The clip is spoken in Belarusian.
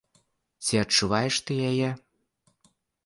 Ці адчуваеш ты яе?